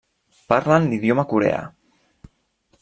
Parlen l'idioma coreà.